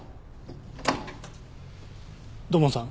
土門さん